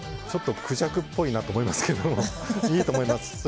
ちょっとクジャクっぽいなって思いますけどいいと思います。